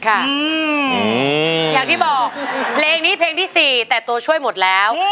อย่างที่บอกเพลงนี้เพลงที่๔แต่ตัวช่วยหมดแล้ว